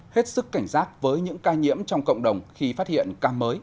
hết sức cảnh giác với những ca nhiễm trong cộng đồng khi phát hiện ca mới